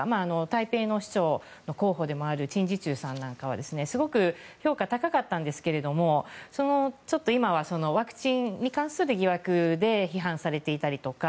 台北の市長候補でもあるチン・ジチュウさんなんかはすごく評価高かったんですがちょっと、今はワクチンに関する疑惑で批判されていたりとか。